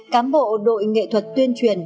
cán bộ đội nghệ thuật tuyên truyền